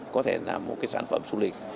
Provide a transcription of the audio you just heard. có thể là một cái sản phẩm du lịch